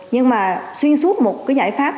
nhưng mà xuyên suốt một giải pháp